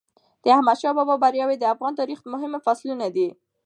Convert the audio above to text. د احمدشاه بابا بریاوي د افغان تاریخ مهم فصلونه دي.